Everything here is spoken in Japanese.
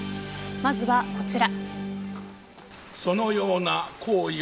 まずはこちら。